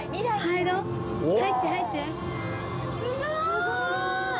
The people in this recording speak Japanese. すごーい！